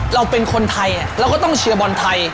เราเป็นคนไทยเราก็ต้องเชียร์บอลไทย